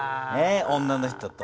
女の人と。